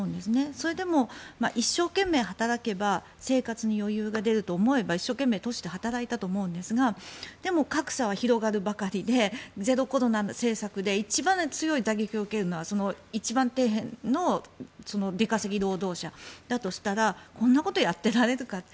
それでも一生懸命働けば生活に余裕が出ると思えば一生懸命都市で働いたと思うんですがでも、格差は広がるばかりでゼロコロナ政策で一番強い打撃を受けるのはその一番底辺の出稼ぎ労働者だとすればこんなことやってられるかと。